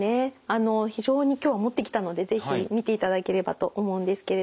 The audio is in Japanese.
あの非常に今日は持ってきたので是非見ていただければと思うんですけれども。